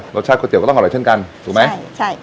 รสชาติก๋วเตี๋ก็ต้องอร่อยเช่นกันถูกไหมใช่